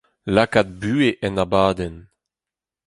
lakaat buhez en abadenn